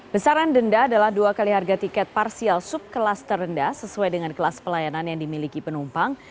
besaran denda adalah dua kali harga tiket parsial subkelas terendah sesuai dengan kelas pelayanan yang dimiliki penumpang